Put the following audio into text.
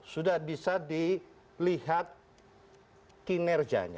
sudah bisa dilihat kinerjanya